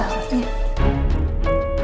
sini nanti aku tau